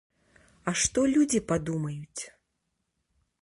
А што людзі падумаюць?!